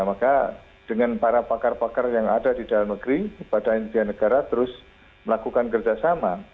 maka dengan para pakar pakar yang ada di dalam negeri kepada intian negara terus melakukan kerjasama